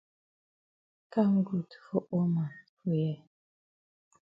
Kam good for all man for here.